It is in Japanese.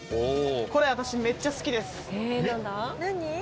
これめっちゃ好きです。